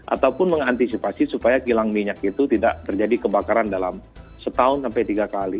ataupun mengantisipasi supaya kilang minyak itu tidak terjadi kebakaran dalam setahun sampai tiga kali